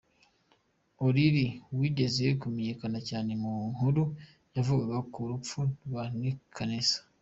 Olili wigeze kumenyekana cyane mu nkuru yavugaga ku rupfu rwa Nika Kaneza.